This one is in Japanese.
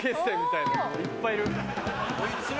いっぱいいる。